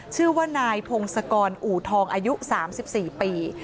ชื่อว่านายพงศกรอู่ทองอายุ๓๔ปี